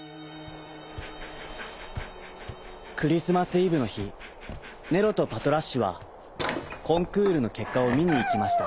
クリスマスイブのひネロとパトラッシュはコンクールのけっかをみにいきました。